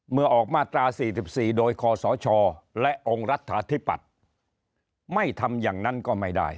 เมื่อออกมาตรา๔๔โดยคอสชและองค์รัฐาธิปัตย์ไม่ทำอย่างนั้นก็ไม่ได้